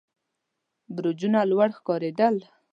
برجونه لوړ ښکارېدل.